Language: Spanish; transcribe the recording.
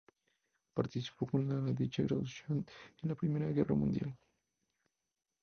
Participó con dicha graduación en la Primera Guerra Mundial.